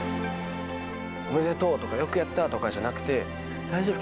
おめでとうとかよくやったとかじゃなくて、大丈夫？